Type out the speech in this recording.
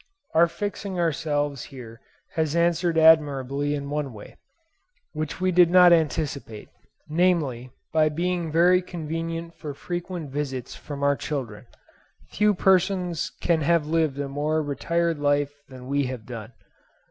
Our fixing ourselves here has answered admirably in one way, which we did not anticipate, namely, by being very convenient for frequent visits from our children. Few persons can have lived a more retired life than we have done.